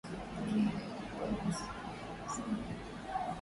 Walimu wamewasili.